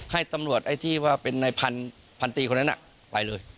ให้ตำรวจไอ้ที่ว่าเป็นในพันตีคนนั้นไปเลย